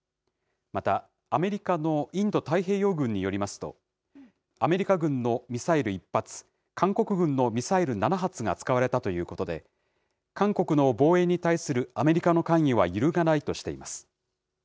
またアメリカのインド太平洋軍によりますと、アメリカ軍のミサイル１発、韓国軍のミサイル７発が使われたということで、韓国の防衛に対するアメリカの関与は揺るがないとしています。